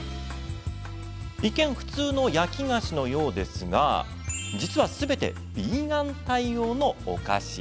一見、普通の焼き菓子のようですが実は、すべてヴィーガン対応のお菓子。